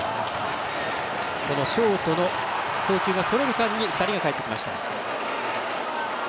このショートの送球がそれる間に２人がかえってきました。